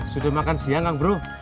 sudah makan siang ang bro